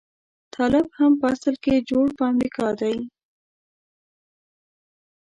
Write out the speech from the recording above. طالب هم په اصل کې جوړ په امريکا دی.